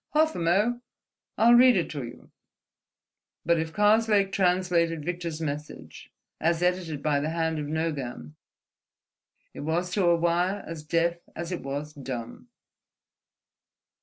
Half a mo': I'll read it to you ..." But if Karslake translated Victor's message, as edited by the hand of Nogam, it was to a wire as deaf as it was dumb.